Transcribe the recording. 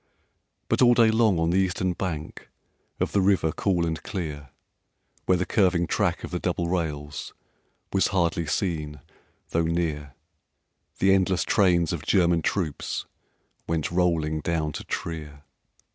But all day long on the eastern bank Of the river cool and clear, Where the curving track of the double rails Was hardly seen though near, The endless trains of German troops Went rolling down to Trier.